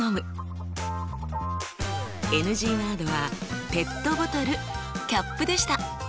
ＮＧワードは「ペットボトル」「キャップ」でした。